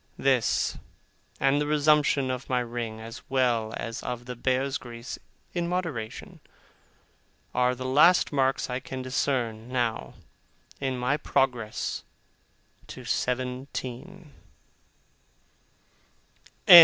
This, and the resumption of my ring, as well as of the bear's grease in moderation, are the last marks I can discern, now, in my progress to seventeen.